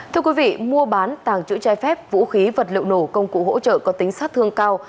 thưa quý vị mua bán tàng trữ trái phép vũ khí vật liệu nổ công cụ hỗ trợ có tính sát thương cao